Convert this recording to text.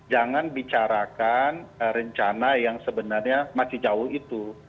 jangan bicarakan rencana yang sebenarnya masih jauh itu